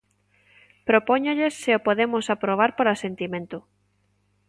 Propóñolles se o podemos aprobar por asentimento.